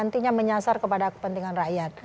nantinya menyasar kepada kepentingan rakyat